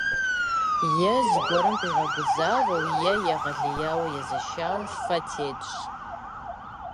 Е зыгуэрым къигъэгузавэу е егъэлеяуэ езэшауэ фэ тетщ.